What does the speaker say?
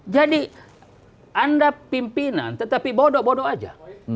jadi anda pimpinan tetapi bodoh bodoh saja